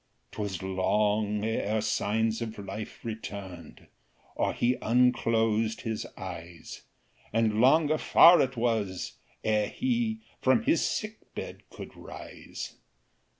'Twas long ere signs of life return'd, Or he unclos'd his eyes, And longer far it was, ere he From his sick bed could rise.